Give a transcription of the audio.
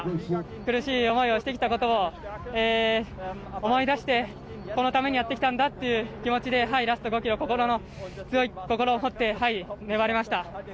苦しい思いをしてきたことを思い出してこのためにやってきたんだという気持ちでラスト５ｋｍ強い心を持って粘りました。